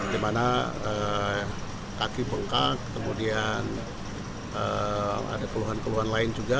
di mana kaki bengkak kemudian ada keluhan keluhan lain juga